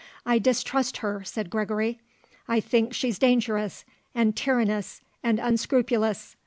"I distrust her," said Gregory. "I think she's dangerous, and tyrannous, and unscrupulous.